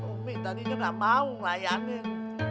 ummi tadinya ga mau ngelayanin